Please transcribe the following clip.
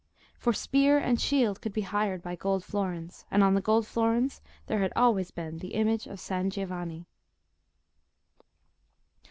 For spear and shield could be hired by gold florins, and on the gold florins there had always been the image of San Giovanni.